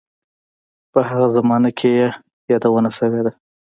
په هغه زمانه کې یې یادونه شوې ده.